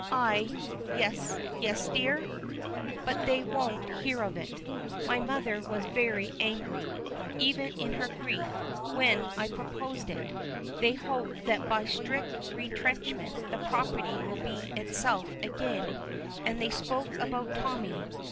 I " "Yes, yes, dear." "But they wouldn't hear of it. My mother was very angry, even in her grief, when I proposed it. They hope that by strict retrenchment, the property will be itself again; and they spoke about Tommy.